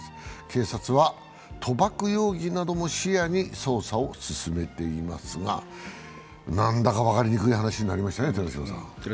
警察は、賭博容疑なども視野に捜査を進めていますが、何だか分かりにくい話になりましたね。